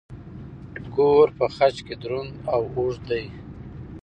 ګور په خج کې دروند او اوږد دی.